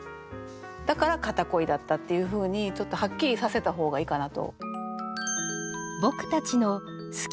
だから片恋だったっていうふうにちょっとはっきりさせた方がいいかなと。